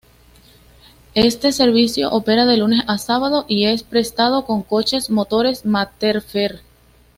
Este servicio opera de lunes a sábados y es prestado con coches motores Materfer.